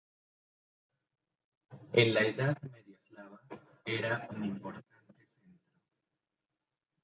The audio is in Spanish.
En la Edad Media Eslava era un importante centro.